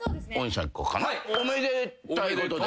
おめでたいことで。